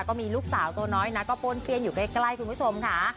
ก็มีลูกสาวตัวน้อยนะก็ป้นเปี้ยนอยู่ใกล้คุณผู้ชมค่ะ